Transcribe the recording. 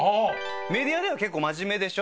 メディアでは結構真面目でしょ？